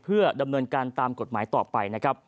เพื่อดำเนินการตามกฎหมายต่อไปนะครับ